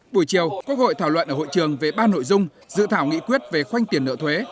buổi chiều quốc hội thảo luận ở hội trường về ba nội dung dự thảo nghị quyết về khoanh tiền nợ thuế